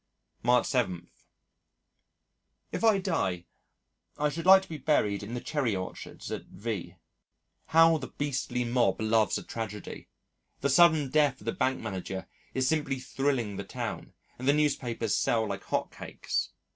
March 7. If I die I should like to be buried in the cherry orchards at V . How the beastly mob loves a tragedy! The sudden death of the Bank Manager is simply thrilling the town, and the newspapers sell like hot cakes.